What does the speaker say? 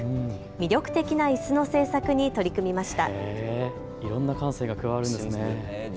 魅力的ないすの製作に取り組みました。